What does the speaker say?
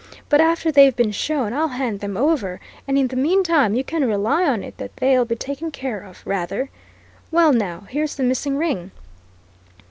But after they've been shown, I'll hand them over and in the meantime you can rely on it that they'll be taken care of rather! Well, now, here's the missing ring!